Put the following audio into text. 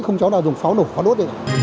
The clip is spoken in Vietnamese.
không cháu nào dùng pháo nổ pháo đốt